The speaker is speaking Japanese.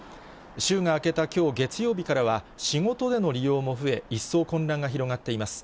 週が明けたきょう月曜日からは、仕事での利用も増え、一層混乱が広がっています。